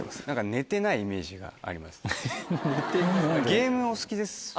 ゲームお好きですよね？